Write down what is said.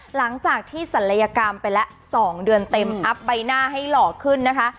หลังจากที่ศัลยกรรมไปละ๒เดือนเต็มอัพใบหน้าให้หล่อขึ้นนะคะ